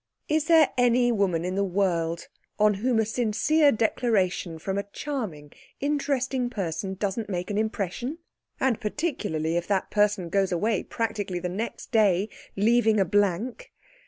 Is there any woman in the world on whom a sincere declaration from a charming, interesting person doesn't make an impression, and particularly if that person goes away practically the next day, leaving a blank?